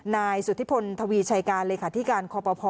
นายสุธิพลทวีร์ไชกาเลยค่ะที่การคโปภ